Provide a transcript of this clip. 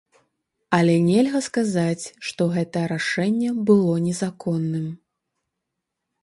Але нельга сказаць, што гэтае рашэнне было незаконным.